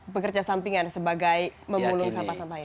pekerja sampingan sebagai pemulung sampah sampah ini